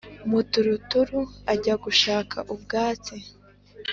muturuturu ajya gushaka ubwatsi